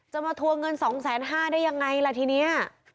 จะมาทวงเงิน๒๕๐๐๐๐บาทได้อย่างไรล่ะทีนี้